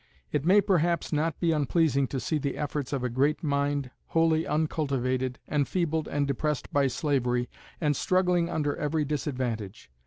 It may perhaps, not be unpleasing to see the efforts of a great mind wholly uncultivated, enfeebled and depressed by slavery, and struggling under every disadvantage.